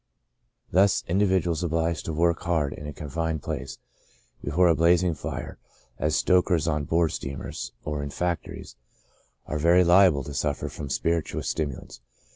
Thus, individuals obliged to work hard in a confined place, before a blazing fire, as stokers on board steamboats or in factories, are very liable to suffer from spirituous stimulants.